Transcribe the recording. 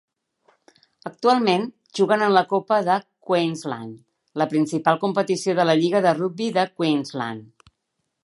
Actualment juguen en la Copa de Queensland, la principal competició de la lliga de rugbi de Queensland.